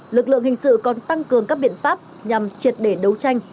lực lượng hình sự còn tăng cường các biện pháp nhằm triệt để đấu tranh